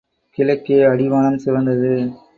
கிழக்கே அடிவானம் சிவந்தது.